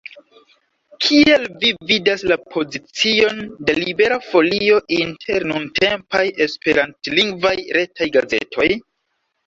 Kiel vi vidas la pozicion de Libera Folio inter nuntempaj esperantlingvaj retaj gazetoj?